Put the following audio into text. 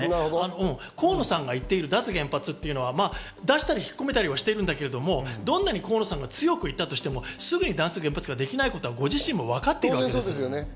河野さんが言っている脱原発というのは、出したり引っ込めたりはしてるけど、どんなに河野さんが強く言っても、すぐ脱原発できないことはご自身も分かっていると思います。